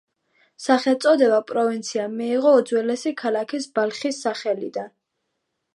სახელწოდება პროვინციამ მიიღო უძველესი ქალაქის ბალხის სახელიდან.